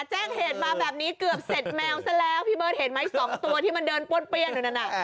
แจ้งเหตุมาแบบนี้เกือบเสร็จแมวซะแล้วพี่เบิร์ตเห็นไหม๒ตัวที่มันเดินป้วนเปี้ยนอยู่นั่นน่ะ